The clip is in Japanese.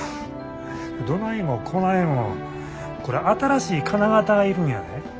どないもこないもこれ新しい金型が要るんやで。